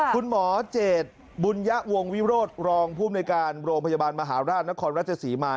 คุณหมอเจดบุญยะวงวิโรธรองภูมิในการโรงพยาบาลมหาราชนครราชศรีมา